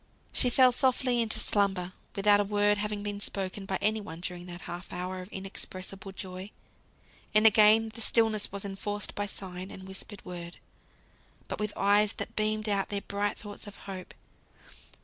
She fell softly into slumber, without a word having been spoken by any one during that half hour of inexpressible joy. And again the stillness was enforced by sign and whispered word, but with eyes that beamed out their bright thoughts of hope.